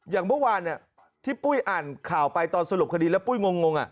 อย่างเมื่อวานที่ปุ้ยอ่านข่าวไปตอนสรุปคดีแล้วปุ้ยงง